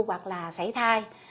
hoặc là sảy thai